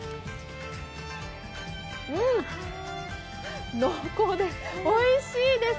うん、濃厚でおいしいです。